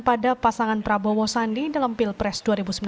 pada pasangan prabowo sandi dalam pilpres dua ribu sembilan belas